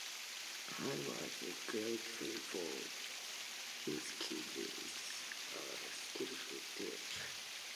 I was grateful for his kindness and skillful help.